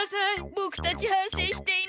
ボクたちはんせいしています。